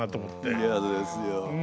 リアルですよ。